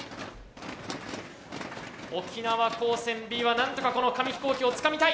沖縄高専Ｂはなんとかこの紙飛行機をつかみたい！